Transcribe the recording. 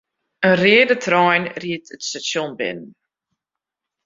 In reade trein ried it stasjon binnen.